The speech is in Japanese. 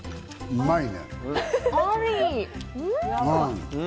うまいね。